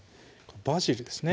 バジルですね